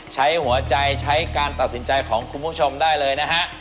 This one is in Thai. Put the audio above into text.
ใช้หัวใจใช้การตัดสินใจของคุณผู้ชมได้เลยนะฮะ